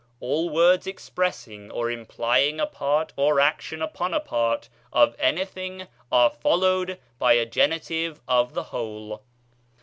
All words expressing or implying a part or action upon a part of anything are followed by a genitive of the whole.